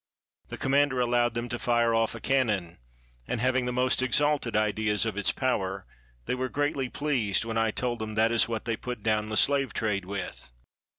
The commander allowed them to fire off a cannon; and, having the most exalted ideas of its power, they were greatly pleased when I told them, "That is what they put down the slave trade with."